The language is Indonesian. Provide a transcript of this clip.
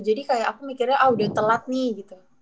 jadi kaya aku mikirnya ah udah telat nih gitu